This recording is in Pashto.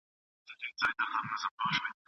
هغه کسان چي په کمپيوټر پوهنه کي متخصص دي، لږ دي.